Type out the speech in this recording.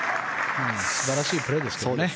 素晴らしいプレーでしたね。